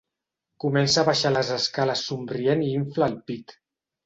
Comença a baixar les escales somrient i infla el pit.